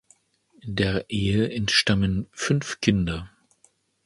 Der Ehe entstammen fünf Kinder.